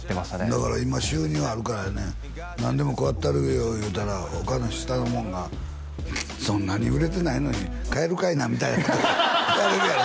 だから今収入あるからやね何でも買ったるよ言うたら他の下のもんがそんなに売れてないのに買えるかいなみたいなこと言われるやろ？